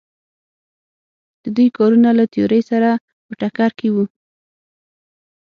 د دوی کارونه له تیورۍ سره په ټکر کې وو.